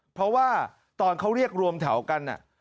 เพราะว่าตอนเขาเรียกรวมแถวกัน